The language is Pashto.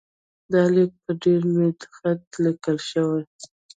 دا لیک په ډېر میده خط لیکل شوی.